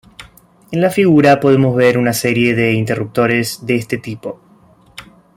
En la figura podemos ver, una serie de interruptores de este tipo.